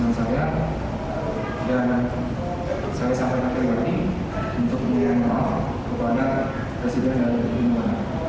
dan saya sangat berterima kasih untuk pilihan maaf kepada presiden joko widodo